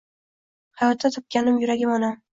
Hayotda topganim yuragim onam